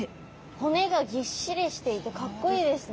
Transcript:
骨がぎっしりしていてかっこいいですね！